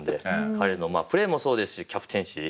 彼のプレーもそうですしキャプテンシー